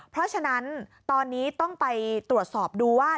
เพราะฉะนั้นตอนนี้ต้องไปตรวจสอบดูว่า